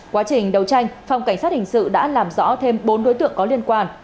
quá trình đấu tranh phòng cảnh sát hình sự đã làm rõ thêm bốn đối tượng có liên quan